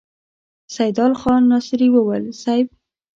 سيدال خان ناصري وويل: صېب!